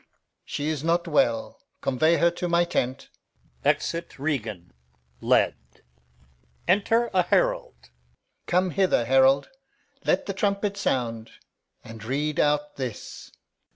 Alb. She is not well. Convey her to my tent. [Exit Regan, led.] Enter a Herald. Come hither, herald. Let the trumpet sound, And read out this.